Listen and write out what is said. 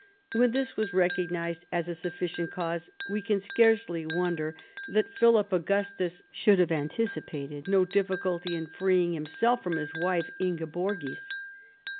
When this was recognised as a sufficient cause, we can scarcely wonder that Philip Augustus should have antici pated no difficulty in freeing himself from his wife Inge borgis.